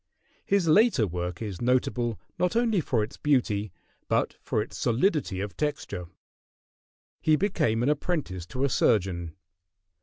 ] His later work is notable not only for its beauty, but for its solidity of texture. He became an apprentice to a surgeon.